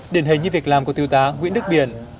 điển hình như việc làm của thiếu tá nguyễn đức biển